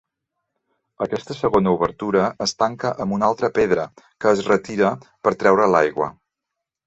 Aquesta segona obertura es tanca amb una altra pedra, que es retira per treure l'aigua.